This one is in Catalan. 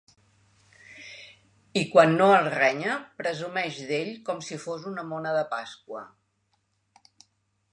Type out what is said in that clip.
I quan no el renya presumeix d'ell com si fos una mona de Pàsqua.